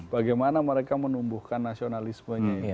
bagaimana mereka menumbuhkan nasionalismenya